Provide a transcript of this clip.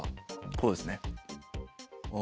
こうですね。